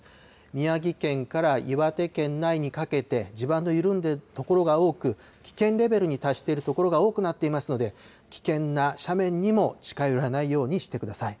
宮城県から岩手県内にかけて、地盤の緩んでいる所が多く、危険レベルに達している所が多くなっていますので、危険な斜面にも近寄らないようにしてください。